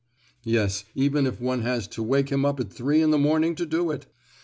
—yes, even if one has to wake him up at three in the morning to do it!